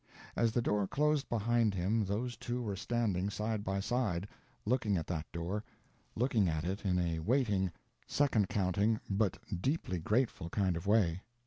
As the door closed behind him those two were standing side by side, looking at that door—looking at it in a waiting, second counting, but deeply grateful kind of way.